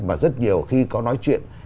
mà rất nhiều khi có nói chuyện